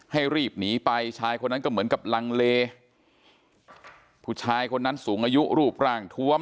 รีบหนีไปชายคนนั้นก็เหมือนกับลังเลผู้ชายคนนั้นสูงอายุรูปร่างทวม